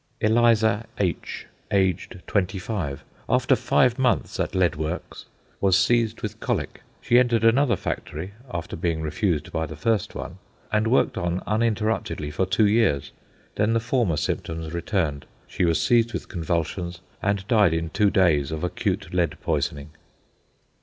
Eliza H., aged twenty five, after five months at lead works, was seized with colic. She entered another factory (after being refused by the first one) and worked on uninterruptedly for two years. Then the former symptoms returned, she was seized with convulsions, and died in two days of acute lead poisoning.